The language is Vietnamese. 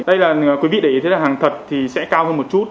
đây là quý vị để ý thế là hàng thật thì sẽ cao hơn một chút